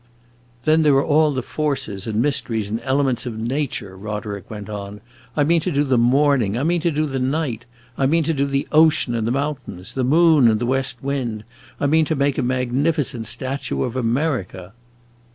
"Then there are all the Forces and Mysteries and Elements of Nature," Roderick went on. "I mean to do the Morning; I mean to do the Night! I mean to do the Ocean and the Mountains; the Moon and the West Wind. I mean to make a magnificent statue of America!"